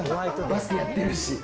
バスケやってるし。